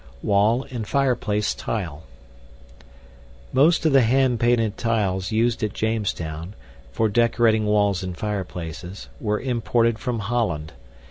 WALL AND FIREPLACE TILE Most of the hand painted tiles used at Jamestown (for decorating walls and fireplaces) were imported from Holland.